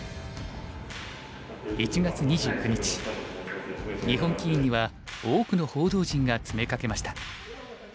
１月２９日日本棋院には多くの報道陣が詰めかけました。